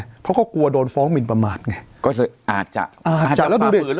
ไงเขาก็กลัวโดนฟ้องมิลประมาณไงก็เลยอาจจะอาจจะแล้วดูเด็ก